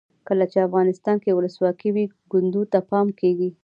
کله چې افغانستان کې ولسواکي وي کونډو ته پام کیږي.